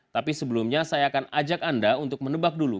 tapi sebelumnya saya akan ajak anda untuk menebak dulu